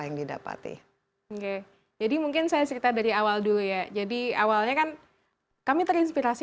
yang didapati oke jadi mungkin saya cerita dari awal dulu ya jadi awalnya kan kami terinspirasi